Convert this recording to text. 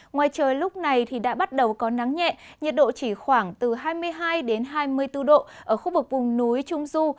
ngoài trời lúc này thì đã bắt đầu có nắng nhẹ nhiệt độ chỉ khoảng từ hai mươi hai hai mươi bốn độ ở khu vực vùng núi trung du